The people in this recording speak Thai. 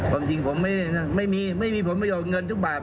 ความจริงผมไม่ได้นั่นไม่มีผมไม่ยอมเงินทุกบาท